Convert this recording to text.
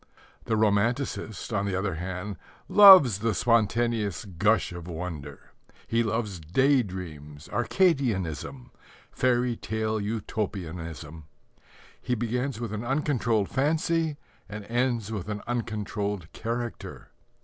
The romanticist, on the other hand, loves the spontaneous gush of wonder. He loves day dreams, Arcadianism, fairy tale Utopianism. He begins with an uncontrolled fancy and ends with an uncontrolled character.